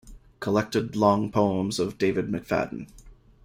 Collected Long Poems of David McFadden.